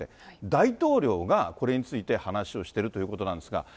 大統領がこれについて話をしているということなんですが。